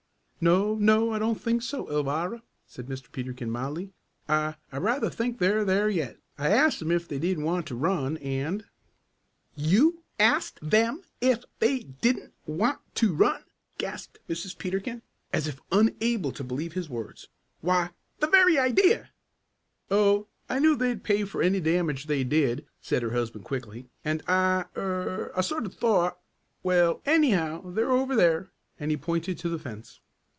"No no, I don't think so, Alvirah," said Mr. Peterkin mildly. "I I rather think they're there yet. I asked 'em if they didn't want to run and " "You asked them if they didn't want to run?" gasped Mrs. Peterkin, as if unable to believe his words. "Why, the very idea!" "Oh, I knew they'd pay for any damage they did," said her husband quickly, "and I er I sort of thought well, anyhow they're over there," and he pointed to the fence.